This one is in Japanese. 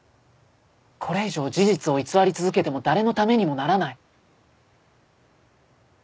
これ以上事実を偽り続けても誰のためにもならない。